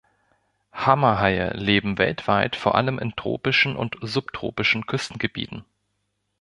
Hammerhaie leben weltweit vor allem in tropischen und subtropischen Küstengebieten.